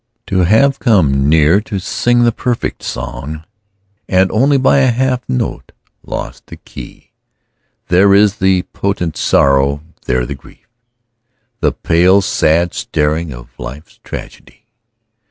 To have come near to sing the perfect song And only by a half tone lost the key, There is the potent sorrow, there the grief, The pale, sad staring of life's tragedy.